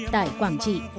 tại quảng trị